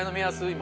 今。